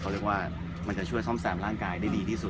เขาเรียกว่ามันจะช่วยซ่อมแซมร่างกายได้ดีที่สุด